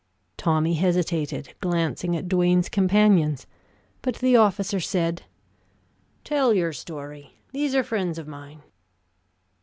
Tommy hesitated, glancing at Duane's companions, but the officer said: "Tell your story: these are friends of mine."